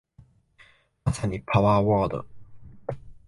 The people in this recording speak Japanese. まさにパワーワード